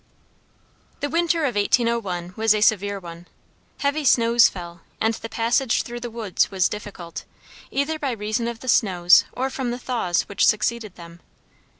The winter of 1801 was a severe one. Heavy snows fell, and the passage through the woods was difficult, either by reason of the snows or from the thaws which succeeded them.